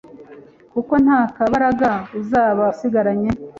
kuko nta kabaraga uzaba usigaranye